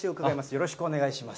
よろしくお願いします。